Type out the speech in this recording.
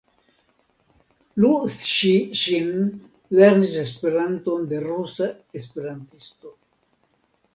Lu Ŝi-Ŝin lernis Esperanton de rusa esperantisto.